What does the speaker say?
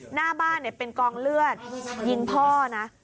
หน้าบ้านเป็นกองเลือดยิงพ่อนะ